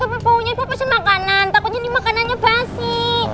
tapi baunya ibu pesen makanan takutnya ini makanannya basi